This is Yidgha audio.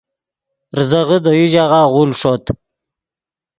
ریزغے دے یو ژاغہ غول ݰوت